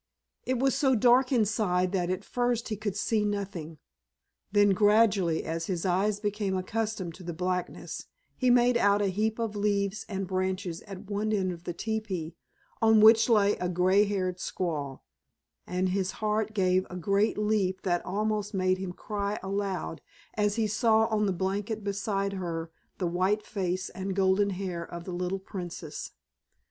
It was so dark inside that at first he could see nothing; then gradually as his eyes became accustomed to the blackness he made out a heap of leaves and branches at one side of the teepee, on which lay a grey haired squaw, and his heart gave a great leap that almost made him cry aloud as he saw on the blanket beside her the white face and golden hair of the little Princess.